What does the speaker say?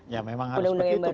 ya memang harus begitu